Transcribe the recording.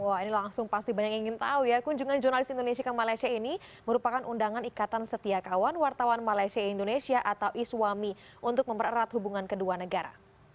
wah ini langsung pasti banyak yang ingin tahu ya kunjungan jurnalis indonesia ke malaysia ini merupakan undangan ikatan setiakawan wartawan malaysia indonesia atau iswami untuk mempererat hubungan kedua negara